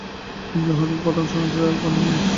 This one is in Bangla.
তিনি নূর জাহানের প্রথম স্বামী শের আফগানের মেয়ে।